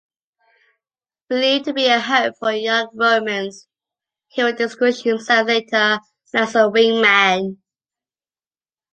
Believed to be a hope for young Romans, he will distinguish himself later on as a wingman.